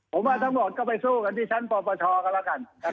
ผมว่าทั้งหมดก็ไปสู้กันที่ชั้นปปชกันแล้วกัน